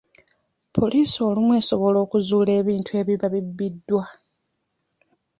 Poliisi olumu esobola okuzuula ebintu ebiba bibbiddwa.